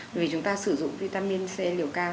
vì chúng ta sử dụng vitamin c liều cao